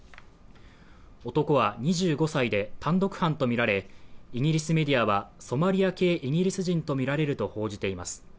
男は２５歳で単独犯とみられ、イギリスメディアはソマリア系イギリス人とみられると報じています。